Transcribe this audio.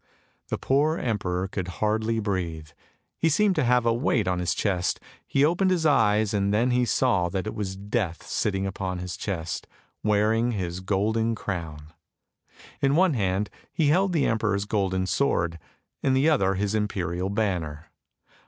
The poor emperor could hardly breathe, he seemed to have a weight on his chest, he opened his eyes and then he saw that it was Death sitting upon his chest, wearing his golden crown. In one hand he held the emperor's golden sword, and in the other his imperial banner.